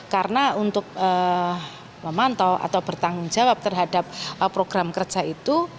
karena untuk memantau atau bertanggung jawab terhadap program kerja itu